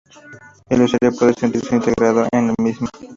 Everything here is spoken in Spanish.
El usuario puede sentirse integrado en el mismo.